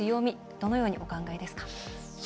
どのようにお考えですか。